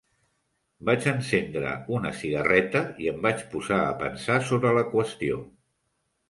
Vaig encendre una cigarreta i em vaig posar a pensar sobre la qüestió.